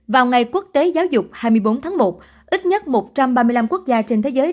vào ngày quốc tế giáo dục hai mươi bốn tháng một ít nhất một trăm ba mươi năm quốc gia trên thế giới